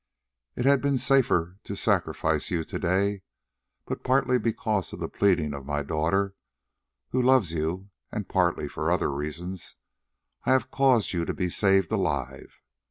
It had been safer to sacrifice you to day, but partly because of the pleading of my daughter who loves you, and partly for other reasons, I have caused you to be saved alive.